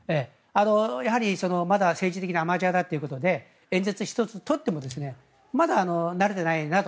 やはり、まだ政治的にはアマチュアだということで演説一つ取ってもまだ慣れていないなと。